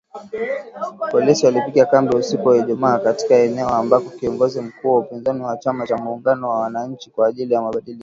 Polisi walipiga kambi usiku wa Ijumaa katika eneo ambako kiongozi mkuu wa upinzani wa chama cha muungano wa wananchi kwa ajili ya mabadiliko.